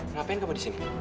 ngapain kamu di sini